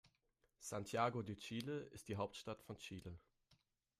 Santiago de Chile ist die Hauptstadt von Chile.